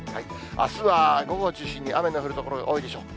あすは午後を中心に雨の降る所が多いでしょう。